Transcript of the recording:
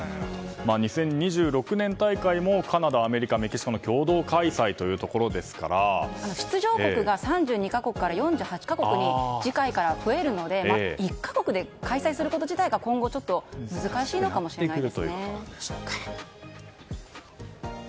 ２０２６年大会もカナダ、アメリカ、メキシコの出場国が３２か国から４８か国に次回から増えるので１か国で開催すること自体が今後、難しいのかもしれませんね。